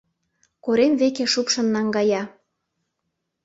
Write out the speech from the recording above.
Корем веке шупшын наҥгая.